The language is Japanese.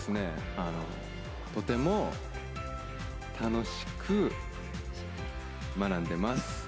とても楽しく学んでます。